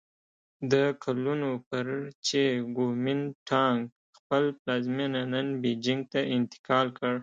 د کلونو پر چې ګومین ټانګ خپل پلازمېنه نن بیجینګ ته انتقال کړ.